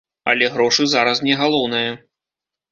Але грошы зараз не галоўнае.